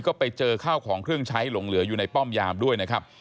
ก็ไปเจอข้าวของเครื่องใช้หลงเหลืออยู่ในป้อมยามด้วยนะครับ